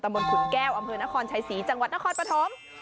มนต์ขุนแก้วอำเภอนครชัยศรีจังหวัดนครปฐม